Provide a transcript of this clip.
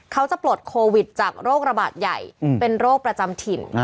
เขาจะปลดโควิดจากโรคระบาดใหญ่เป็นโรคประจำถิ่น